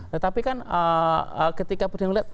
tetapi kan ketika perhubungan lihat